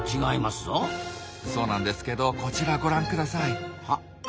そうなんですけどこちらご覧ください。